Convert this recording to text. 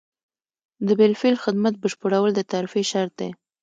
د بالفعل خدمت بشپړول د ترفیع شرط دی.